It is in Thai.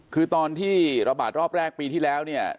คือตอนที่ระบาดรอบแรกปีที่แล้วเนี่ย